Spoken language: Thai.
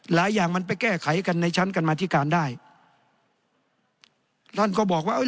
อย่างมันไปแก้ไขกันในชั้นกรรมธิการได้ท่านก็บอกว่าเอ้